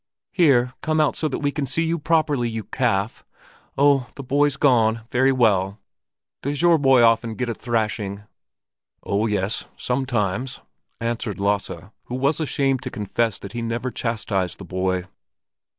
Here, come out so that we can see you properly, you calf! Oh, the boy's gone. Very well. Does your boy often get a thrashing?" "Oh yes, sometimes," answered Lasse, who was ashamed to confess that he never chastised the boy.